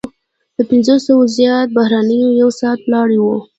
له پنځوسو زیات بهرنیان یو ساعت ولاړ وو.